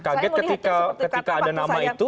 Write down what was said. kaget ketika ada nama itu